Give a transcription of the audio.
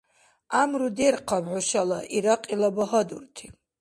ГӀямру дерхъаб хӀушала, Иракьила багьадурти!